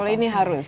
kalau ini harus